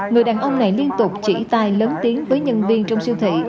người đàn ông này liên tục chỉ tai lớn tiếng với nhân viên trong siêu thị